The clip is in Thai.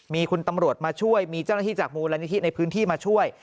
มีคุณตำรวจมาช่วยมีเจ้าหน้าที่จากมูลนิธิในพื้นที่มาช่วย